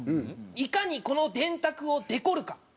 いかにこの電卓をデコるか。